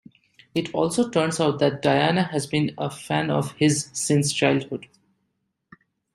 It also turns out that Diana has been a fan of his since childhood.